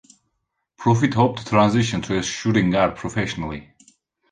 Profit hoped to transition to a shooting guard professionally.